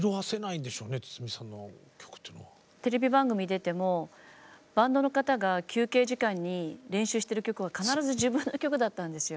テレビ番組出てもバンドの方が休憩時間に練習している曲が必ず自分の曲だったんですよ。